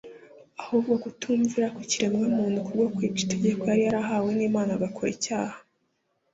ahubwo kutumvira kw’ikiremwa-muntu kubwo kwica itegeko yari yarahawe n’Imana agakora icyaha